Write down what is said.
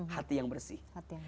hati yang bersih